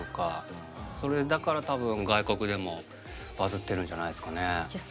それだから多分外国でもバズってるんじゃないですかね。